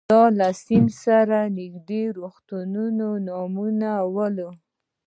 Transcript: دا له سیند سره نږدې د روغتونونو نومونه ول.